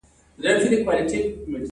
ډاکټر ناروغان ګوري.